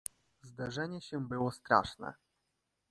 "Zderzenie się było straszne."